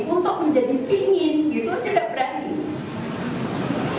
untuk menjadi pingin gitu tidak berani